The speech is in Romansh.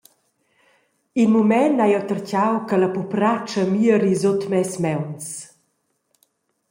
In mument hai jeu tertgau che la pupratscha mieri sut mes mauns.